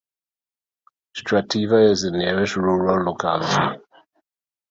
Strativa is the nearest rural locality.